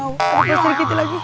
ada peseri kitty lagi